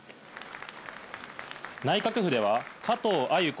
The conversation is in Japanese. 内閣府では、加藤鮎子